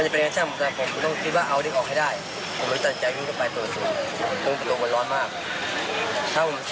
เพราะว่าคิดปุ๊บผมทำเลย